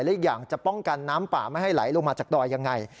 และอีกอย่างจะป้องกันน้ำป่าไม่ให้ไหลลงมาจากดอยยังไง